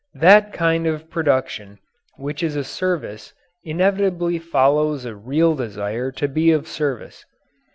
That kind of production which is a service inevitably follows a real desire to be of service.